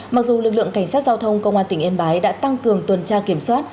mặc dù lực lượng cảnh sát giao thông công an tỉnh yên bái đã tăng cường tuần tra kiểm soát